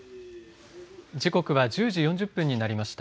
時刻は１０時４０分になりました。